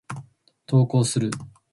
投稿する。